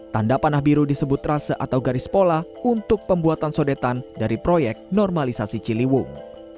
tanda panah biru disebut rase atau garis pola untuk pembuatan sodetan dari proyek normalisasi ciliwung